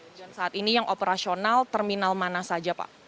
dan saat ini yang operasional terminal mana saja pak